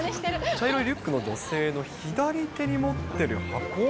茶色いリュックの女性の左手に持ってる箱？